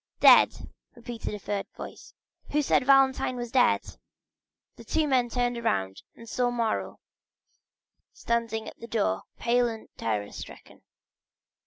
"Dead!" repeated a third voice. "Who said Valentine was dead?" The two men turned round, and saw Morrel standing at the door, pale and terror stricken.